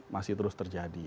masih terus terjadi